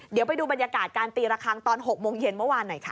เดี๋ยวไปดูบรรยากาศการตีระคังตอน๖โมงเย็นเมื่อวานหน่อยค่ะ